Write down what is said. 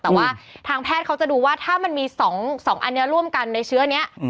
แต่ว่าทางแพทย์เขาจะดูว่าถ้ามันมี๒อันนี้ร่วมกันในเชื้อนี้